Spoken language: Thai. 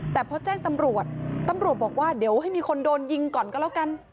แต่พอแจ้งตำรวจตำรวจบอกว่าเดี๋ยวให้มีคนโดนยิงก่อนก็แล้วกัน